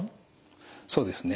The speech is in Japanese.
そうですね。